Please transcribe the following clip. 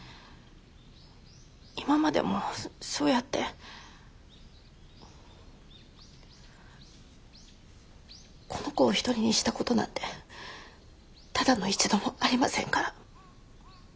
今までもそうやってこの子を一人にしたことなんてただの一度もありませんから。